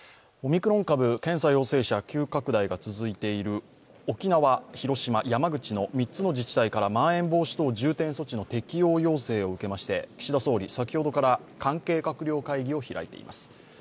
オミクロン株、検査陽性者急拡大が続いている沖縄、広島、山口の３つの自治体からまん延防止等重点措置の適用要請を受けまして、岸田総理、先ほどから関係閣僚会議を開いています。